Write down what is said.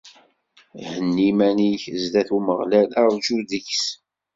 Henni iman-ik zdat n Umeɣlal, rǧu deg-s.